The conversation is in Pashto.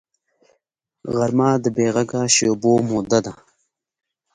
غرمه د بېغږه شېبو موده ده